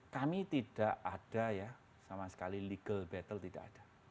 kami tidak ada ya sama sekali legal battle tidak ada